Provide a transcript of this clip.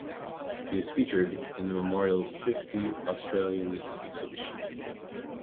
He is featured in the Memorial's Fifty Australians exhibition.